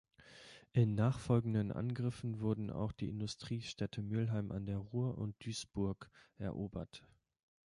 In nachfolgenden Angriffen wurden auch die Industriestädte Mülheim an der Ruhr und Duisburg erobert.